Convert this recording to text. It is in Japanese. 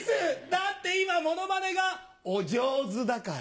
だって今モノマネがおジョズだから。